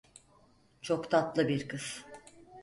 Çok tatlı bir kız.